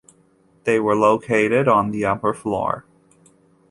They were located on the upper floor.